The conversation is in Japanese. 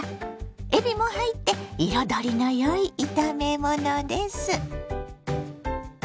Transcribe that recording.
えびも入って彩りのよい炒め物です。